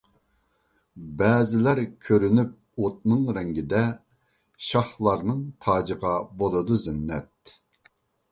بەزىلەر كۆرۈنۈپ ئوتنىڭ رەڭگىدە، شاھلارنىڭ تاجىغا بولىدۇ زىننەت.